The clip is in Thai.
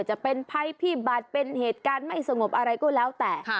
จะเป็นภัยพิบัตรเป็นเหตุการณ์ไม่สงบอะไรก็แล้วแต่